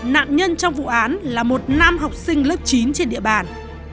nạn nhân trong vụ án là một nam học sinh lớp chín trên địa bàn